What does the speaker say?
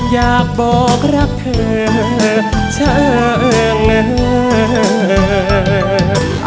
อยากบอกรับเธอช่างเลย